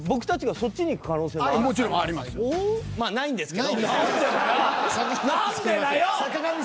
そこはないんですけど。